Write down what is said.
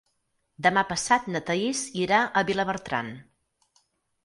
Demà passat na Thaís irà a Vilabertran.